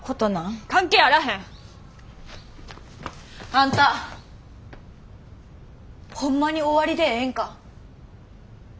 関係あらへん！あんたホンマに終わりでええんか？